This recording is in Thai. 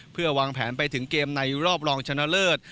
เพื่อวางแผนไปถึงเกมในรอบรองชนะเลิศ